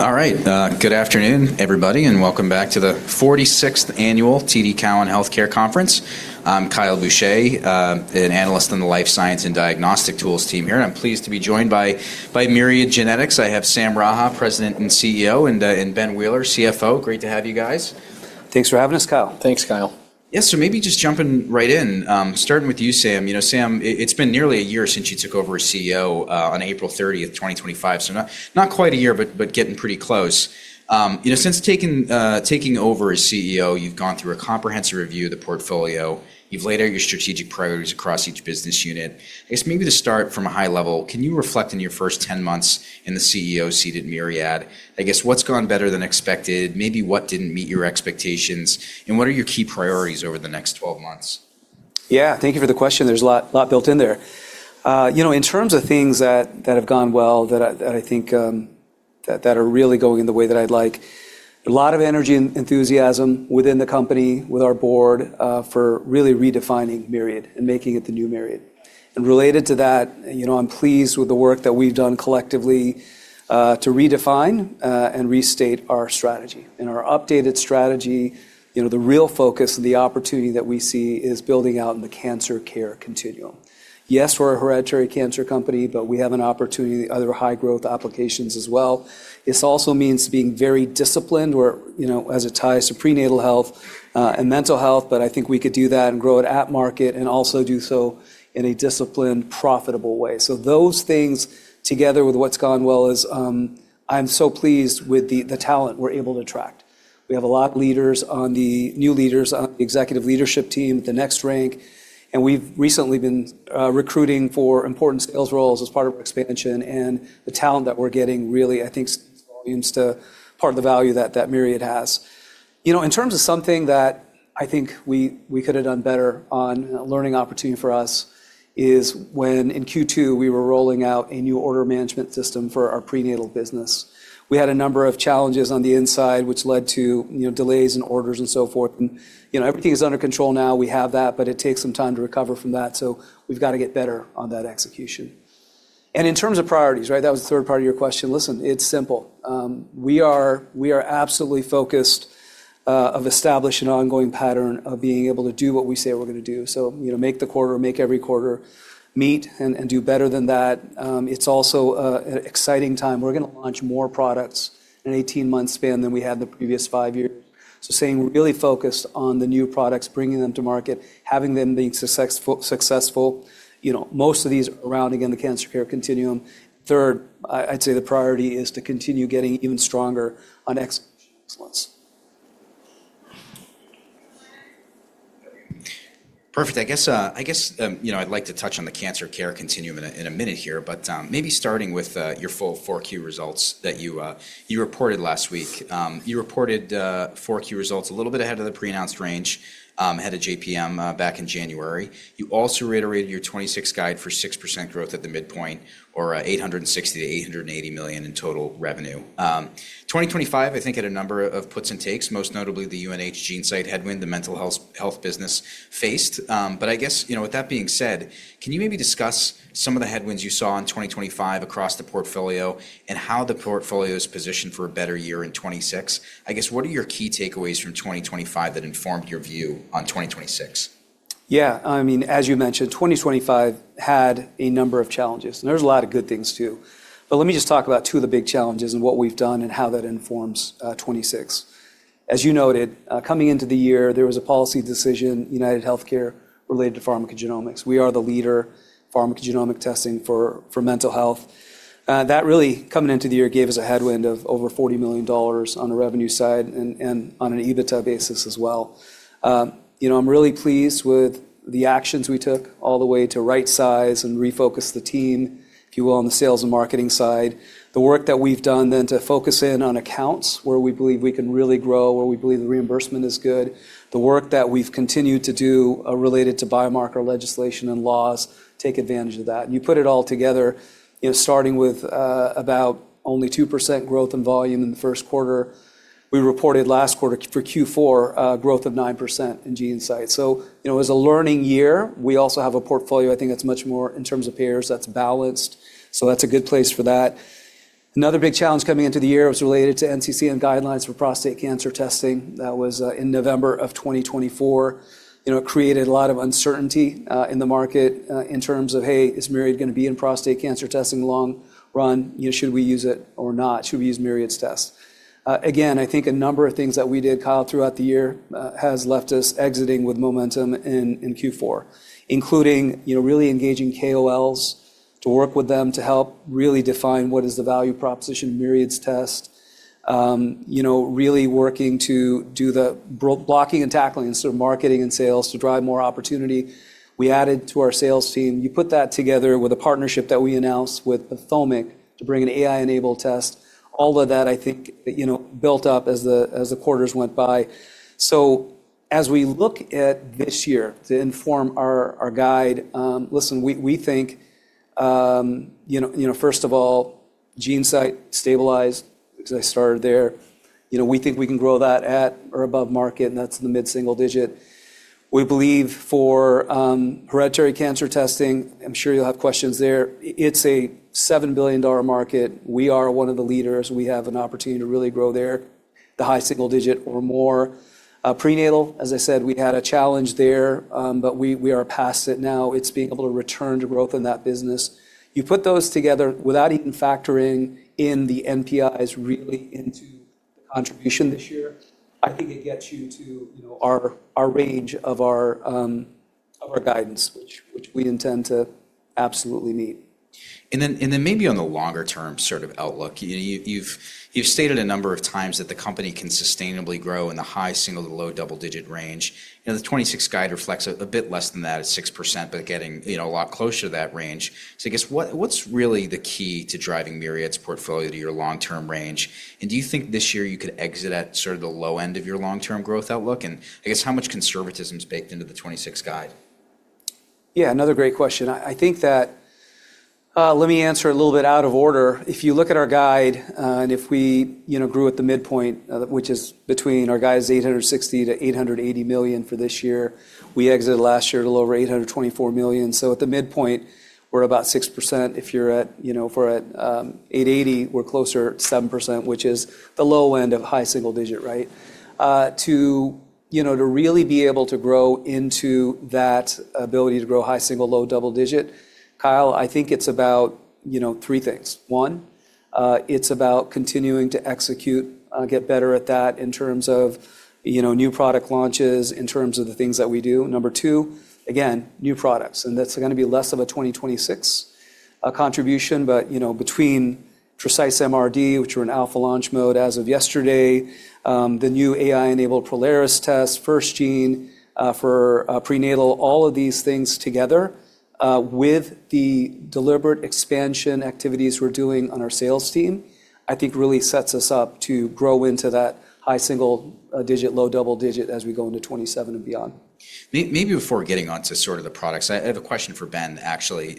All right, good afternoon, everybody, welcome back to the 46th annual TD Cowen Healthcare Conference. I'm Kyle Boucher, an analyst on the Life Science and Diagnostic Tools team here. I'm pleased to be joined by Myriad Genetics. I have Sam Raha, President and CEO, and Ben Wheeler, CFO. Great to have you guys. Thanks for having us, Kyle. Thanks, Kyle. Yes. Maybe just jumping right in. Starting with you, Sam. You know, Sam, it's been nearly a year since you took over as CEO on April 30, 2025, so not quite a year, but getting pretty close. You know, since taking over as CEO, you've gone through a comprehensive review of the portfolio. You've laid out your strategic priorities across each business unit. I guess maybe to start from a high level, can you reflect on your first 10 months in the CEO seat at Myriad? I guess, what's gone better than expected? Maybe what didn't meet your expectations, and what are your key priorities over the next 12 months? Yeah. Thank you for the question. There's a lot built in there. You know, in terms of things that have gone well that I think, that are really going the way that I'd like, a lot of energy and enthusiasm within the company with our board, for really redefining Myriad and making it the new Myriad. Related to that, you know, I'm pleased with the work that we've done collectively, to redefine and restate our strategy. In our updated strategy, you know, the real focus and the opportunity that we see is building out in the cancer care continuum. Yes, we're a hereditary cancer company, but we have an opportunity, other high-growth applications as well. This also means being very disciplined where, you know, as it ties to prenatal health and mental health, but I think we could do that and grow it at market and also do so in a disciplined, profitable way. Those things together with what's gone well is, I'm so pleased with the talent we're able to attract. We have a lot leaders on the new leaders on the executive leadership team, the next rank, and we've recently been recruiting for important sales roles as part of expansion and the talent that we're getting really, I think, speaks volumes to part of the value that Myriad has. You know, in terms of something that I think we could have done better on a learning opportunity for us is when in Q2 we were rolling out a new order management system for our prenatal business. We had a number of challenges on the inside which led to, you know, delays in orders and so forth. You know, everything is under control now. We have that, but it takes some time to recover from that, so we've got to get better on that execution. In terms of priorities, right? That was the third part of your question. Listen, it's simple. We are absolutely focused of establishing an ongoing pattern of being able to do what we say we're gonna do. You know, make the quarter, make every quarter, meet and do better than that. It's also an exciting time. We're gonna launch more products in an 18-month span than we had in the previous five years. Staying really focused on the new products, bringing them to market, having them being successful, you know, most of these around, again, the cancer care continuum. Third, I'd say the priority is to continue getting even stronger on execution excellence. Perfect. I guess, you know, I'd like to touch on the cancer care continuum in a minute here, but maybe starting with your full 4Q results that you reported last week. You reported 4Q results a little bit ahead of the pre-announced range, ahead of JPM back in January. You also reiterated your 2026 guide for 6% growth at the midpoint or $860 million-$880 million in total revenue. 2025, I think, had a number of puts and takes, most notably the UNH GeneSight headwind the mental health business faced. I guess, you know, with that being said, can you maybe discuss some of the headwinds you saw in 2025 across the portfolio and how the portfolio is positioned for a better year in 2026? I guess, what are your key takeaways from 2025 that informed your view on 2026? I mean, as you mentioned, 2025 had a number of challenges, and there was a lot of good things too. Let me just talk about two of the big challenges and what we've done and how that informs 2026. As you noted, coming into the year, there was a policy decision, UnitedHealthcare, related to pharmacogenomics. We are the leader pharmacogenomic testing for mental health. That really, coming into the year, gave us a headwind of over $40 million on the revenue side and on an EBITDA basis as well. You know, I'm really pleased with the actions we took all the way to rightsize and refocus the team, if you will, on the sales and marketing side. The work that we've done then to focus in on accounts where we believe we can really grow, where we believe the reimbursement is good, the work that we've continued to do related to biomarker legislation and laws take advantage of that. You put it all together, you know, starting with about only 2% growth in volume in the first quarter. We reported last quarter for Q4, growth of 9% in GeneSight. You know, it was a learning year. We also have a portfolio, I think, that's much more in terms of payers that's balanced, so that's a good place for that. Another big challenge coming into the year was related to NCCN guidelines for prostate cancer testing. That was in November of 2024. You know, it created a lot of uncertainty in the market in terms of, hey, is Myriad gonna be in prostate cancer testing long run? You know, should we use it or not? Should we use Myriad's test? Again, I think a number of things that we did, Kyle, throughout the year, has left us exiting with momentum in Q4, including, you know, really engaging KOLs to work with them to help really define what is the value proposition of Myriad's test. You know, really working to do the blocking and tackling instead of marketing and sales to drive more opportunity. We added to our sales team. You put that together with a partnership that we announced with PATHOMIQ to bring an AI-enabled test. All of that, I think, you know, built up as the quarters went by. As we look at this year to inform our guide, listen, we think, you know, first of all, GeneSight stabilized as I started there. We think we can grow that at or above market, and that's in the mid-single-digit%. We believe for hereditary cancer testing, I'm sure you'll have questions there, it's a $7 billion market. We are one of the leaders. We have an opportunity to really grow there, the high-single-digit% or more. Prenatal, as I said, we had a challenge there, but we are past it now. It's being able to return to growth in that business. You put those together without even factoring in the NPIs really into the contribution this year, I think it gets you to, you know, our range of our guidance, which we intend to absolutely meet. Maybe on the longer term sort of outlook, you know, you've stated a number of times that the company can sustainably grow in the high single to low double-digit range. You know, the 2026 guide reflects a bit less than that at 6%, but getting, you know, a lot closer to that range. I guess what's really the key to driving Myriad's portfolio to your long-term range? Do you think this year you could exit at sort of the low end of your long-term growth outlook? I guess how much conservatism is baked into the 2026 guide? Yeah, another great question. I think that, let me answer a little bit out of order. If you look at our guide, and if we, you know, grew at the midpoint, which is between our guides $860 million-$880 million for this year, we exited last year at a little over $824 million. At the midpoint, we're about 6%. If you're at, you know, if we're at, $880 million, we're closer to 7%, which is the low end of high single digit, right? To, you know, to really be able to grow into that ability to grow high single, low double digit, Kyle Boucher, I think it's about, you know, three things. One, it's about continuing to execute, get better at that in terms of, you know, new product launches, in terms of the things that we do. Number two, again, new products, that's gonna be less of a 2026 contribution. You know, between Precise MRD, which are in alpha launch mode as of yesterday, the new AI-enabled Prolaris Test, FirstGene, for prenatal, all of these things together, with the deliberate expansion activities we're doing on our sales team, I think really sets us up to grow into that high single-digit, low double-digit as we go into 2027 and beyond. Maybe before getting onto sort of the products, I have a question for Ben, actually. You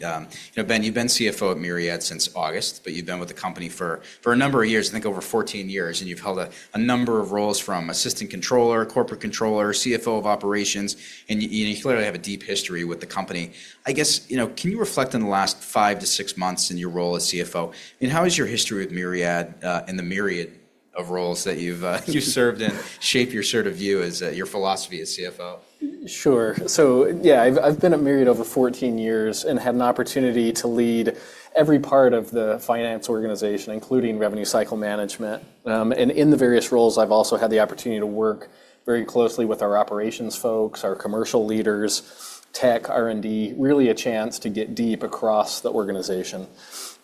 know, Ben, you've been CFO at Myriad since August, but you've been with the company for a number of years, I think over 14 years, and you've held a number of roles from assistant controller, corporate controller, CFO of operations, and you clearly have a deep history with the company. I guess, you know, can you reflect on the last 5 to 6 months in your role as CFO? How has your history with Myriad, and the myriad of roles that you've served in shape your sort of view as your philosophy as CFO? Sure. Yeah, I've been at Myriad over 14 years and had an opportunity to lead every part of the finance organization, including revenue cycle management. In the various roles, I've also had the opportunity to work very closely with our operations folks, our commercial leaders, tech, R&D, really a chance to get deep across the organization.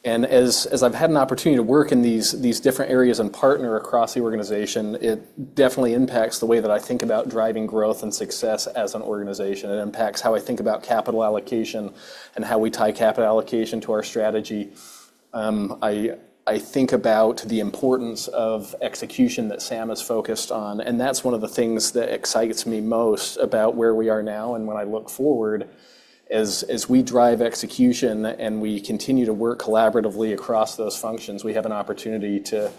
As I've had an opportunity to work in these different areas and partner across the organization, it definitely impacts the way that I think about driving growth and success as an organization. It impacts how I think about capital allocation and how we tie capital allocation to our strategy. I think about the importance of execution that Sam is focused on, and that's one of the things that excites me most about where we are now and when I look forward. As we drive execution and we continue to work collaboratively across those functions, we have an opportunity to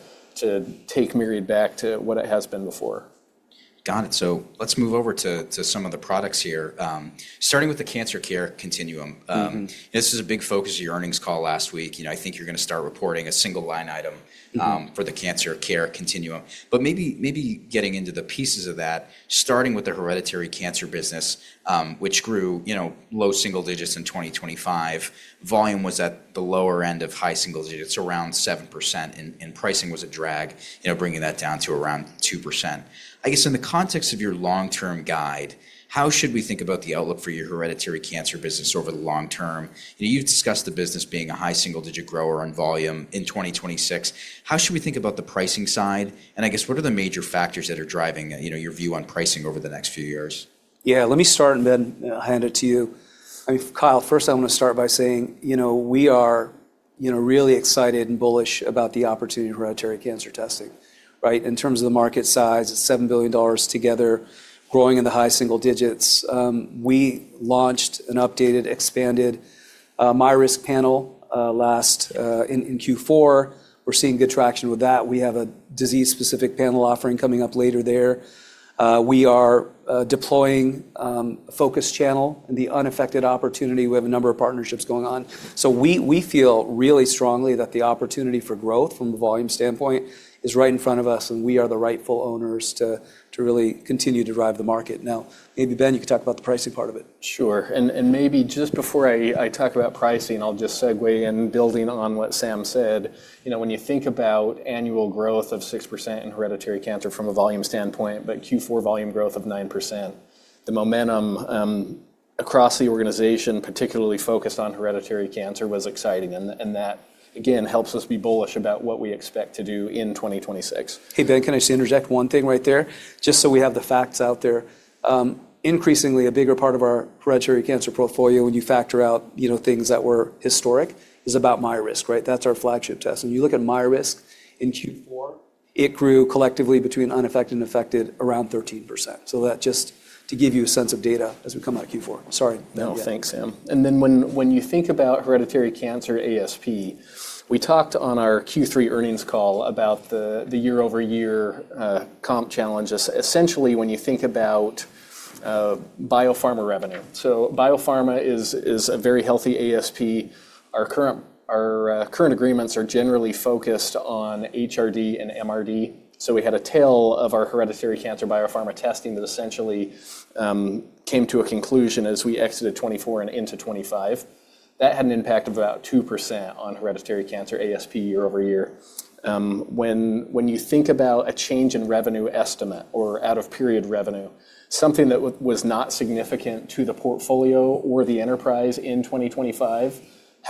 take Myriad back to what it has been before. Got it. let's move over to some of the products here. starting with the cancer care continuum. Mm-hmm. This was a big focus of your earnings call last week. You know, I think you're gonna start reporting a single line item... Mm-hmm. For the cancer care continuum. Maybe, maybe getting into the pieces of that, starting with the hereditary cancer business, which grew, you know, low single digits in 2025. Volume was at the lower end of high single digits, around 7%, and pricing was a drag, you know, bringing that down to around 2%. I guess in the context of your long-term guide, how should we think about the outlook for your hereditary cancer business over the long term? You know, you've discussed the business being a high single-digit grower on volume in 2026. How should we think about the pricing side? I guess, what are the major factors that are driving, you know, your view on pricing over the next few years? Let me start and then I'll hand it to you. I mean, Kyle, first I want to start by saying, you know, we are, you know, really excited and bullish about the opportunity of hereditary cancer testing, right? In terms of the market size, it's $7 billion together, growing in the high single digits. We launched an updated, expanded MyRisk panel last in Q4. We're seeing good traction with that. We have a disease-specific panel offering coming up later there. We are deploying focus channel and the unaffected opportunity. We have a number of partnerships going on. We feel really strongly that the opportunity for growth from a volume standpoint is right in front of us, and we are the rightful owners to really continue to drive the market. Maybe Ben, you can talk about the pricing part of it. Sure. Maybe just before I talk about pricing, I'll just segue in building on what Sam said. You know, when you think about annual growth of 6% in hereditary cancer from a volume standpoint, but Q4 volume growth of 9%, the momentum across the organization, particularly focused on hereditary cancer, was exciting and that again helps us be bullish about what we expect to do in 2026. Hey, Ben, can I just interject one thing right there? Just so we have the facts out there, increasingly a bigger part of our hereditary cancer portfolio when you factor out, you know, things that were historic is about MyRisk, right? That's our flagship test. When you look at MyRisk in Q4, it grew collectively between unaffected and affected around 13%. That just to give you a sense of data as we come out of Q4. Sorry. No. Thanks, Sam. When you think about hereditary cancer ASP We talked on our Q3 earnings call about the year-over-year comp challenges. When you think about biopharma revenue. Biopharma is a very healthy ASP. Our current agreements are generally focused on HRD and MRD. We had a tail of our hereditary cancer biopharma testing that essentially came to a conclusion as we exited 2024 and into 2025. That had an impact of about 2% on hereditary cancer ASP year over year. When you think about a change in revenue estimate or out-of-period revenue, something that was not significant to the portfolio or the enterprise in 2025.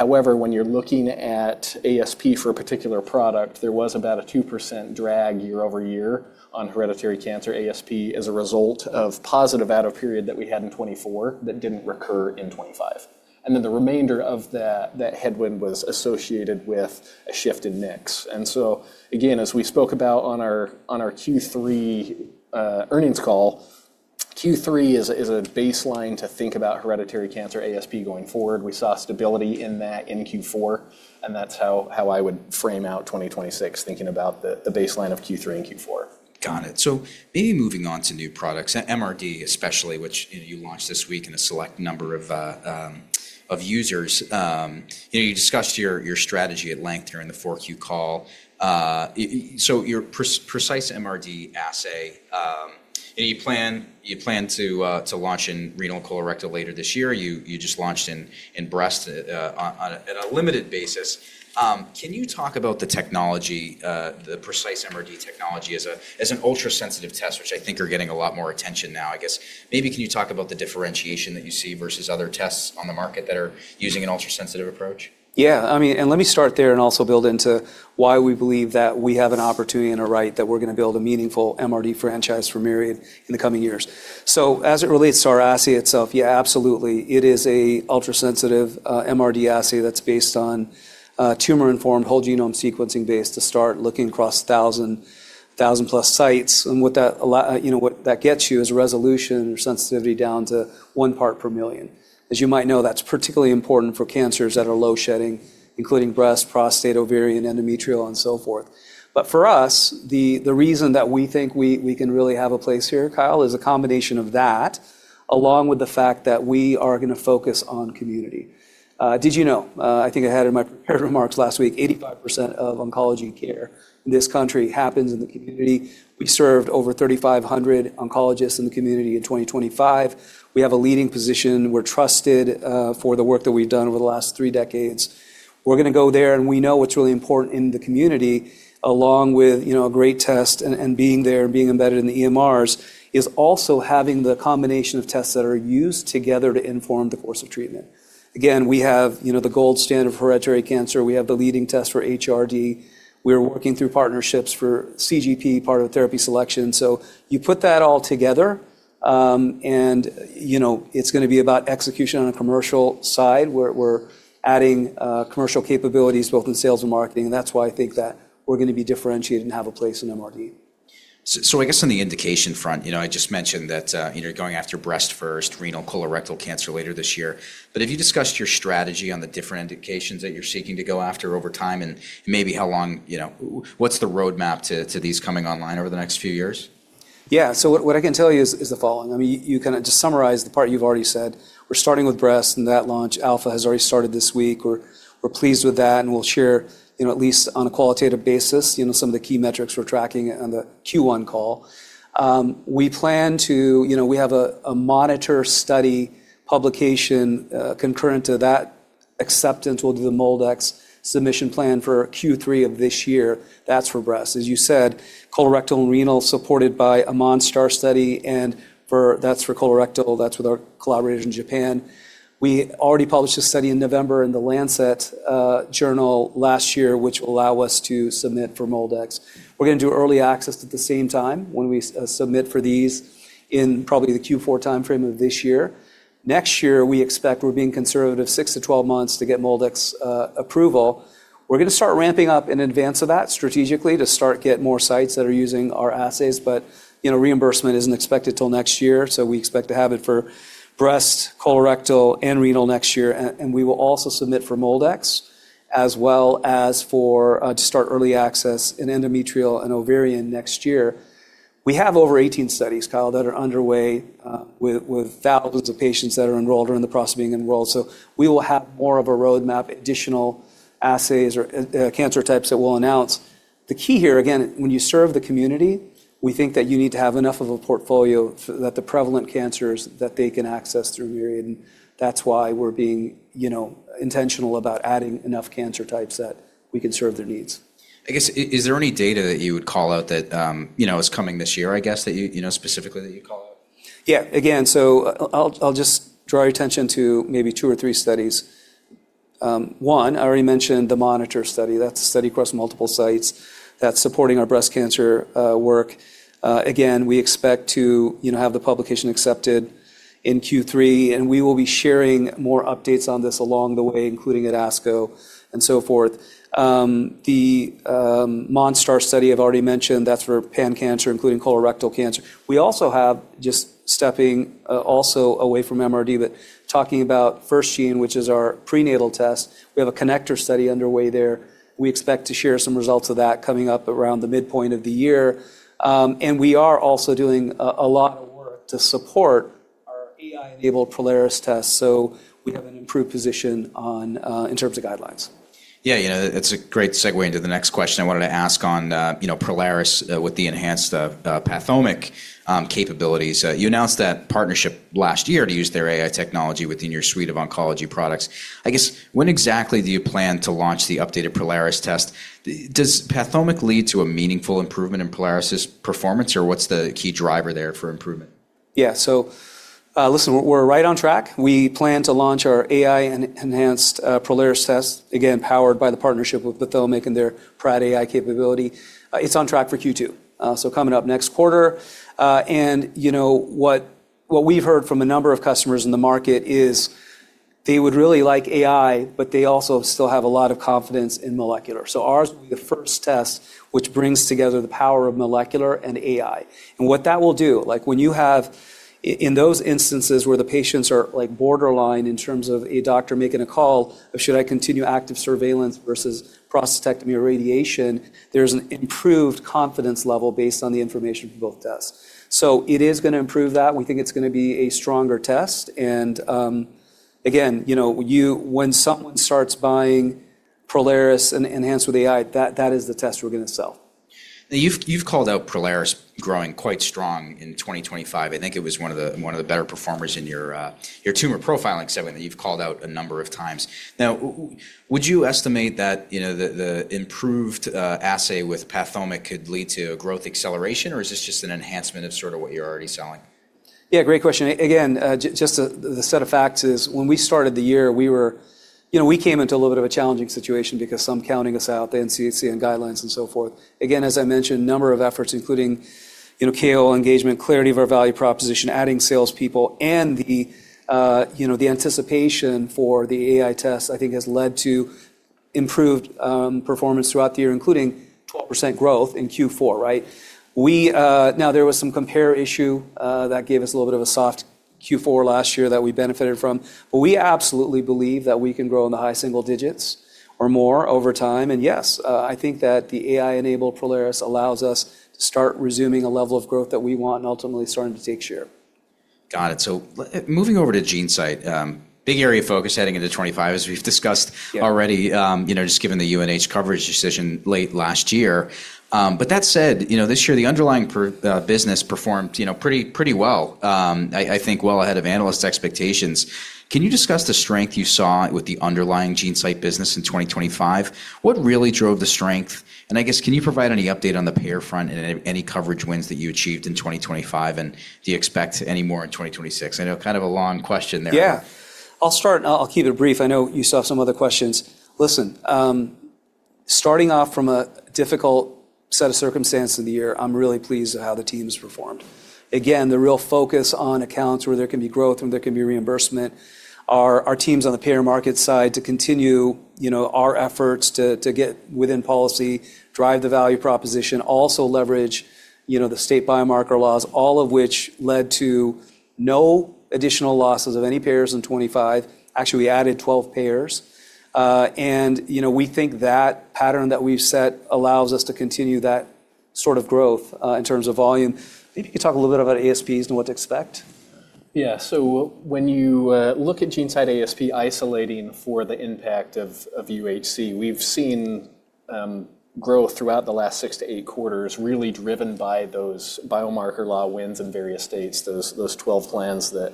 When you're looking at ASP for a particular product, there was about a 2% drag year-over-year on hereditary cancer ASP as a result of positive out-of-period that we had in 2024 that didn't recur in 2025. The remainder of that headwind was associated with a shift in mix. Again, as we spoke about on our Q3 earnings call, Q3 is a baseline to think about hereditary cancer ASP going forward. We saw stability in that in Q4, and that's how I would frame out 2026 thinking about the baseline of Q3 and Q4. Got it. Maybe moving on to new products, MRD especially, which, you know, you launched this week in a select number of users. You know, you discussed your strategy at length during the 4Q call. Your Precise MRD assay, you know, you plan to launch in renal and colorectal later this year. You just launched in breast at a limited basis. Can you talk about the technology, the Precise MRD technology as an ultrasensitive test, which I think are getting a lot more attention now, I guess? Maybe can you talk about the differentiation that you see versus other tests on the market that are using an ultrasensitive approach? I mean let me start there and also build into why we believe that we have an opportunity and a right that we're gonna build a meaningful MRD franchise for Myriad in the coming years. As it relates to our assay itself, absolutely. It is a ultrasensitive MRD assay that's based on tumor-informed whole genome sequencing data to start looking across 1,000-plus sites. What that gets you is resolution or sensitivity down to 1 part per million. As you might know, that's particularly important for cancers that are low shedding, including breast, prostate, ovarian, endometrial, and so forth. For us, the reason that we think we can really have a place here, Kyle, is a combination of that along with the fact that we are gonna focus on community. Did you know, I think I had in my prepared remarks last week, 85% of oncology care in this country happens in the community. We served over 3,500 oncologists in the community in 2025. We have a leading position. We're trusted for the work that we've done over the last 3 decades. We're gonna go there, and we know what's really important in the community, along with, you know, a great test and being there, being embedded in the EMRs, is also having the combination of tests that are used together to inform the course of treatment. Again, we have, you know, the gold standard for hereditary cancer. We have the leading test for HRD. We're working through partnerships for CGP, part of therapy selection. You put that all together, and, you know, it's gonna be about execution on a commercial side, where we're adding commercial capabilities both in sales and marketing. That's why I think that we're gonna be differentiated and have a place in MRD. I guess on the indication front, you know, I just mentioned that, you know, going after breast first, renal, colorectal cancer later this year. Have you discussed your strategy on the different indications that you're seeking to go after over time, and maybe how long? You know, what's the roadmap to these coming online over the next few years? What I can tell you is the following. I mean, you kind of just summarized the part you've already said. We're starting with breast, and that launch alpha has already started this week. We're pleased with that, and we'll share, you know, at least on a qualitative basis, you know, some of the key metrics we're tracking on the Q1 call. You know, we have a monitor study publication concurrent to that acceptance. We'll do the MolDX submission plan for Q3 of this year. That's for breast. As you said, colorectal and renal supported by MonSTAR study, that's for colorectal. That's with our collaborators in Japan. We already published a study in November in The Lancet journal last year, which will allow us to submit for MolDX. We're gonna do early access at the same time when we submit for these in probably the Q4 timeframe of this year. Next year, we expect we're being conservative 6-12 months to get MolDX approval. We're gonna start ramping up in advance of that strategically to start get more sites that are using our assays. You know, reimbursement isn't expected till next year, we expect to have it for breast, colorectal, and renal next year. We will also submit for MolDX, as well as for to start early access in endometrial and ovarian next year. We have over 18 studies, Kyle, that are underway with thousands of patients that are enrolled or in the process of being enrolled. We will have more of a roadmap, additional assays or cancer types that we'll announce. The key here, again, when you serve the community, we think that you need to have enough of a portfolio that the prevalent cancers that they can access through Myriad, and that's why we're being, you know, intentional about adding enough cancer types that we can serve their needs. I guess is there any data that you would call out that, you know, is coming this year, I guess, that you know, specifically that you'd call out? Again, I'll just draw your attention to maybe two or three studies. One, I already mentioned the MONITOR-Breast study. That's a study across multiple sites that's supporting our breast cancer work. Again, we expect to, you know, have the publication accepted in Q3, we will be sharing more updates on this along the way, including at ASCO and so forth. The MONSTAR study I've already mentioned, that's for pan cancer, including colorectal cancer. We also have just stepping also away from MRD, talking about FirstGene, which is our prenatal test. We have a CONNECTOR study underway there. We expect to share some results of that coming up around the midpoint of the year. We are also doing a lot of work to support our AI-enabled Prolaris Test, so we have an improved position on in terms of guidelines. You know, it's a great segue into the next question I wanted to ask on, you know, Prolaris with the enhanced PATHOMIQ capabilities. You announced that partnership last year to use their AI technology within your suite of oncology products. I guess, when exactly do you plan to launch the updated Prolaris Test? Does PATHOMIQ lead to a meaningful improvement in Prolaris' performance, or what's the key driver there for improvement? Yeah. Listen, we're right on track. We plan to launch our AI enhanced Prolaris Test, again, powered by the partnership with PATHOMIQ and their PRAD AI capability. It's on track for Q2, coming up next quarter. You know what we've heard from a number of customers in the market is they would really like AI, but they also still have a lot of confidence in molecular. Ours will be the first test which brings together the power of molecular and AI. What that will do, like when you have in those instances where the patients are like borderline in terms of a doctor making a call of should I continue active surveillance versus prostatectomy or radiation, there's an improved confidence level based on the information from both tests. It is gonna improve that. We think it's gonna be a stronger test and, again, you know, when someone starts buying Prolaris enhanced with AI, that is the test we're gonna sell. You've called out Prolaris growing quite strong in 2025. I think it was one of the better performers in your tumor profiling segment that you've called out a number of times. Would you estimate that, you know, the improved assay with PATHOMIQ could lead to growth acceleration, or is this just an enhancement of sort of what you're already selling? Great question. Again, just the set of facts is when we started the year, you know, we came into a little bit of a challenging situation because some counting us out, the NCCN guidelines and so forth. As I mentioned, a number of efforts including, you know, KOL engagement, clarity of our value proposition, adding salespeople, and the, you know, the anticipation for the AI test, I think has led to improved performance throughout the year, including 12% growth in Q4, right? There was some Compare issue that gave us a little bit of a soft Q4 last year that we benefited from. We absolutely believe that we can grow in the high single digits or more over time, and yes, I think that the AI-enabled Prolaris allows us to start resuming a level of growth that we want and ultimately starting to take share. Got it. Moving over to GeneSight, big area of focus heading into 2025, as we've discussed. Yeah. -already, you know, just given the UNH coverage decision late last year. But that said, you know, this year the underlying business performed, you know, pretty well, I think well ahead of analyst expectations. Can you discuss the strength you saw with the underlying GeneSight business in 2025? What really drove the strength? I guess, can you provide any update on the payer front and any coverage wins that you achieved in 2025, and do you expect any more in 2026? I know kind of a long question there. I'll start, and I'll keep it brief. I know you still have some other questions. Starting off from a difficult set of circumstances in the year, I'm really pleased at how the team's performed. Again, the real focus on accounts where there can be growth and there can be reimbursement. Our teams on the payer market side to continue, you know, our efforts to get within policy, drive the value proposition, also leverage, you know, the state biomarker laws, all of which led to no additional losses of any payers in 2025. We added 12 payers. You know, we think that pattern that we've set allows us to continue that sort of growth in terms of volume. Maybe you could talk a little bit about ASPs and what to expect. Yeah. When you look at GeneSight ASP isolating for the impact of UHC, we've seen growth throughout the last 6 to 8 quarters really driven by those biomarker law wins in various states, those 12 plans that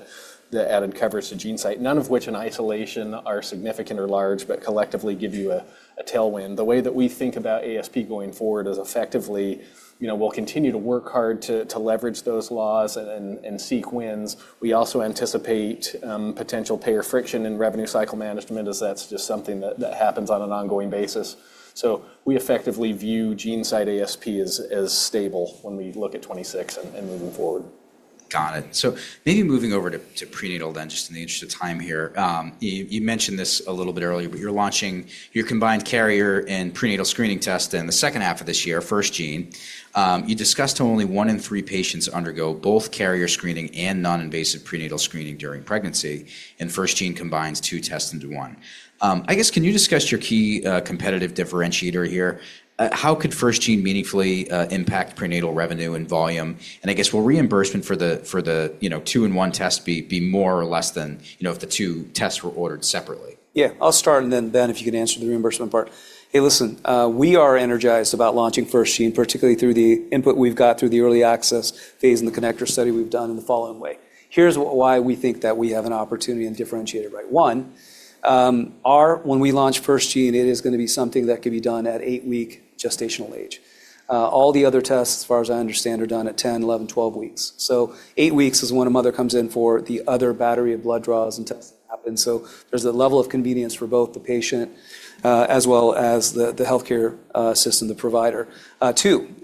added coverage to GeneSight, none of which in isolation are significant or large, but collectively give you a tailwind. The way that we think about ASP going forward is effectively, you know, we'll continue to work hard to leverage those laws and seek wins. We also anticipate potential payer friction in revenue cycle management, as that's just something that happens on an ongoing basis. We effectively view GeneSight ASP as stable when we look at 2026 and moving forward. Got it. Maybe moving over to prenatal, just in the interest of time here. You mentioned this a little bit earlier, but you're launching your combined carrier and prenatal screening test in the second half of this year, FirstGene. You discussed how only 1 in 3 patients undergo both carrier screening and non-invasive prenatal screening during pregnancy, and FirstGene combines 2 tests into 1. I guess, can you discuss your key competitive differentiator here? How could FirstGene meaningfully impact prenatal revenue and volume? And I guess, will reimbursement for the, you know, 2-in-1 test be more or less than, you know, if the 2 tests were ordered separately? I'll start, and then, Ben, if you can answer the reimbursement part. Hey, listen, we are energized about launching FirstGene, particularly through the input we've got through the early access phase and the CONNECTOR study we've done in the following way. Here's why we think that we have an opportunity and differentiator, right? One, when we launch FirstGene, it is gonna be something that can be done at 8-week gestational age. All the other tests, as far as I understand, are done at 10, 11, 12 weeks. Eight weeks is when a mother comes in for the other battery of blood draws and tests that happen. There's a level of convenience for both the patient, as well as the healthcare system, the provider. Two,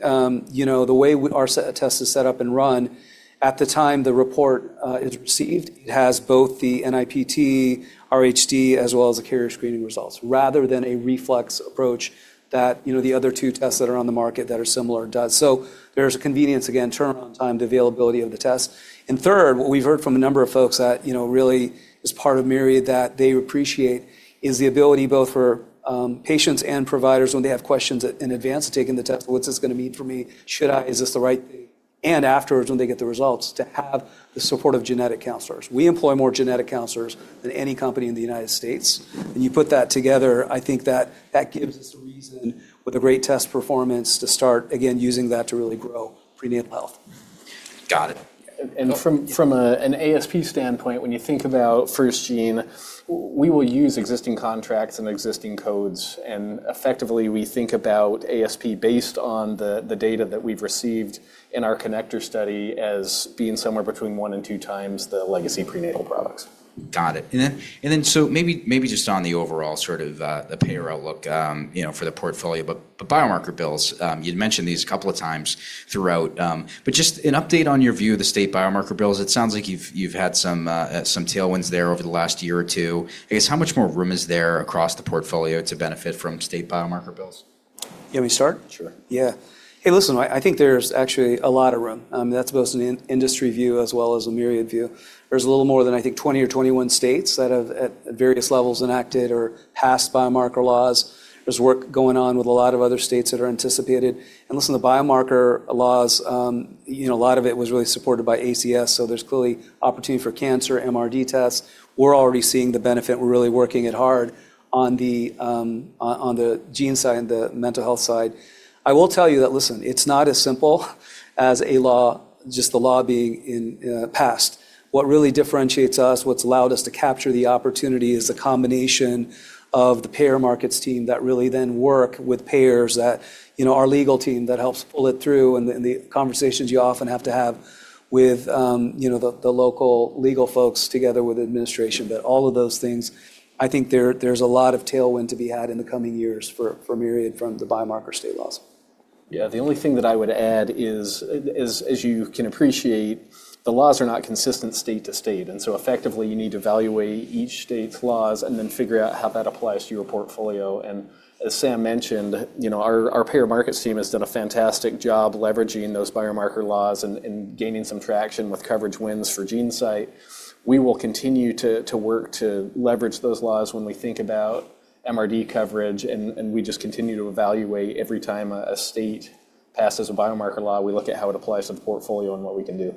you know, the way our test is set up and run, at the time the report is received, it has both the NIPT, RHD, as well as the carrier screening results, rather than a reflex approach that, you know, the other two tests that are on the market that are similar does. There's a convenience, again, turnaround time, the availability of the test. Third, what we've heard from a number of folks that, you know, really as part of Myriad that they appreciate is the ability both for patients and providers when they have questions in advance of taking the test. What's this gonna mean for me? Should I? Is this the right thing? Afterwards when they get the results, to have the support of genetic counselors. We employ more genetic counselors than any company in the United States. When you put that together, I think that gives us a reason with a great test performance to start again using that to really grow prenatal health. Got it. From an ASP standpoint, when you think about FirstGene, we will use existing contracts and existing codes, and effectively we think about ASP based on the data that we've received in our CONNECTOR study as being somewhere between 1 and 2 times the legacy prenatal products. Got it. Then so maybe just on the overall sort of, the payer outlook, you know, for the portfolio, but the Biomarker bills, you'd mentioned these a couple of times throughout. Just an update on your view of the State biomarker bills. It sounds like you've had some tailwinds there over the last year or two. I guess how much more room is there across the portfolio to benefit from State biomarker bills? You want me to start? Sure. Yeah. Hey, listen, I think there's actually a lot of room that's both an in-industry view as well as a Myriad view. There's a little more than, I think, 20 or 21 states that have at various levels enacted or passed biomarker laws. There's work going on with a lot of other states that are anticipated. Listen, the biomarker laws, you know, a lot of it was really supported by ACS, so there's clearly opportunity for cancer MRD tests. We're already seeing the benefit. We're really working it hard on the GeneSight side and the mental health side. I will tell you that, listen, it's not as simple as a law, just the law being in passed. What really differentiates us, what's allowed us to capture the opportunity is the combination of the payer markets team that really then work with payers that. You know, our legal team that helps pull it through and the conversations you often have to have with, you know, the local legal folks together with administration. All of those things, I think there's a lot of tailwind to be had in the coming years for Myriad from the biomarker state laws. Yeah. The only thing that I would add is you can appreciate the laws are not consistent state to state. Effectively you need to evaluate each state's laws and then figure out how that applies to your portfolio. As Sam mentioned, you know, our payer markets team has done a fantastic job leveraging those biomarker laws and gaining some traction with coverage wins for GeneSight. We will continue to work to leverage those laws when we think about MRD coverage, and we just continue to evaluate every time a state passes a biomarker law, we look at how it applies to the portfolio and what we can do.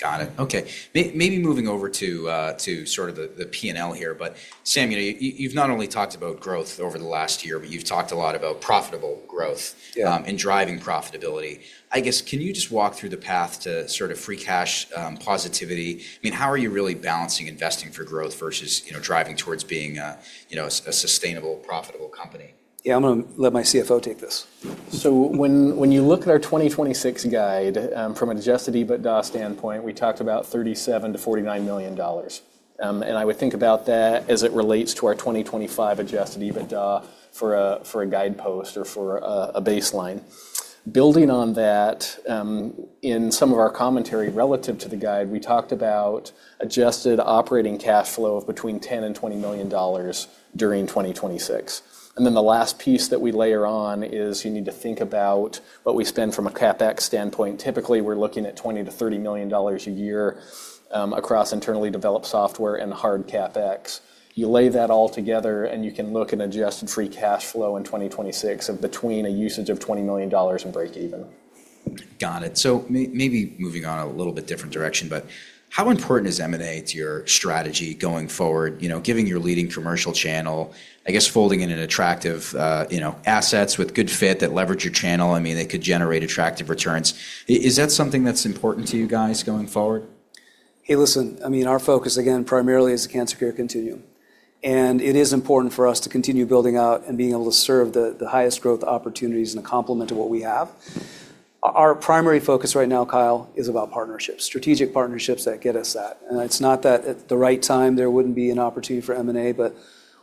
Got it. Okay. Maybe moving over to sort of the P&L here. Sam, you know, you've not only talked about growth over the last year, but you've talked a lot about profitable growth. Yeah... and driving profitability. I guess, can you just walk through the path to sort of free cash positivity? I mean, how are you really balancing investing for growth versus, you know, driving towards being a, you know, a sustainable, profitable company? Yeah. I'm gonna let my CFO take this. When you look at our 2026 guide, from an adjusted EBITDA standpoint, we talked about $37 million-$49 million. I would think about that as it relates to our 2025 adjusted EBITDA for a guidepost or for a baseline. Building on that, in some of our commentary relative to the guide, we talked about adjusted operating cash flow of between $10 million and $20 million during 2026. The last piece that we layer on is you need to think about what we spend from a CapEx standpoint. Typically, we're looking at $20 million-$30 million a year across internally developed software and hard CapEx. You lay that all together, and you can look at adjusted free cash flow in 2026 of between a usage of $20 million and break even. Got it. Maybe moving on a little bit different direction, but how important is M&A to your strategy going forward? You know, given your leading commercial channel, I guess folding in an attractive, you know, assets with good fit that leverage your channel, I mean, they could generate attractive returns. Is that something that's important to you guys going forward? Hey, listen, I mean, our focus again primarily is the cancer care continuum, and it is important for us to continue building out and being able to serve the highest growth opportunities and a complement to what we have. Our primary focus right now, Kyle, is about partnerships, strategic partnerships that get us that. It's not that at the right time there wouldn't be an opportunity for M&A, but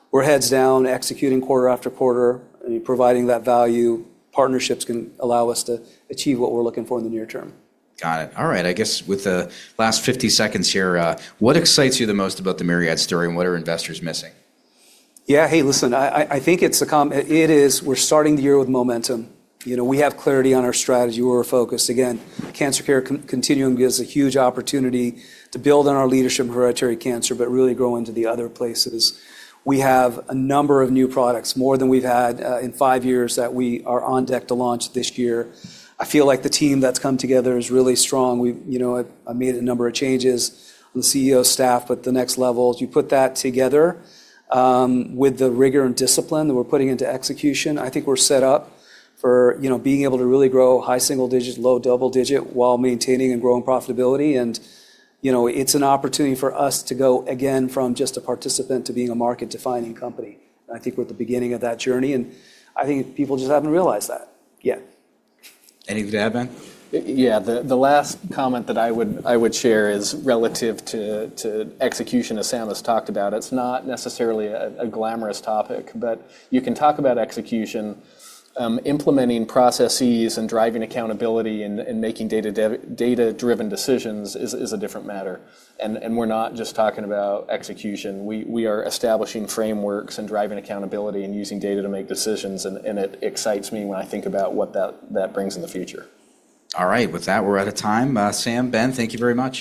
we're heads down executing quarter after quarter and providing that value. Partnerships can allow us to achieve what we're looking for in the near term. Got it. All right. I guess with the last 50 seconds here, what excites you the most about the Myriad story, and what are investors missing? Yeah. Hey, listen, I think it is, we're starting the year with momentum. You know, we have clarity on our strategy. We're focused. Again, cancer care continuum gives a huge opportunity to build on our leadership in hereditary cancer but really grow into the other places. We have a number of new products, more than we've had, in five years, that we are on deck to launch this year. I feel like the team that's come together is really strong. You know, I made a number of changes on the CEO staff at the next levels. You put that together with the rigor and discipline that we're putting into execution, I think we're set up for, you know, being able to really grow high single-digit, low double-digit while maintaining and growing profitability. You know, it's an opportunity for us to go again from just a participant to being a market-defining company. I think we're at the beginning of that journey, and I think people just haven't realized that yet. Anything to add, Ben? Yeah. The last comment that I would share is relative to execution, as Sam has talked about. It's not necessarily a glamorous topic, but you can talk about execution. Implementing processes and driving accountability and making data-driven decisions is a different matter. We are not just talking about execution. We are establishing frameworks and driving accountability and using data to make decisions, and it excites me when I think about what that brings in the future. All right. With that, we're out of time. Sam, Ben, thank you very much.